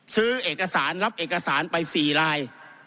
ซื้อเอกสารรับเอกสารไป๔ลาย